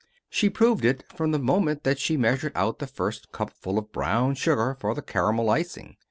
She proved it from the moment that she measured out the first cupful of brown sugar for the caramel icing.